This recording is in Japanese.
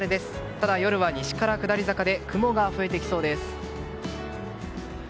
ただ、夜は西から下り坂で雲が増えてきそうです。